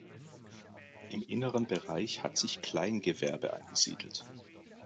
Im inneren Bereich hat sich Kleingewerbe angesiedelt.